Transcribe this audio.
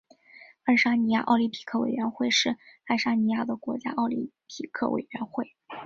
爱沙尼亚奥林匹克委员会是爱沙尼亚的国家奥林匹克委员会。